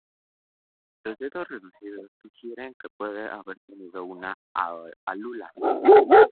Los dedos reducidos sugieren que puede haber tenido una alula.